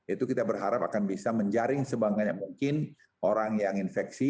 itu kita berharap akan bisa menjaring sebanyak mungkin orang yang infeksi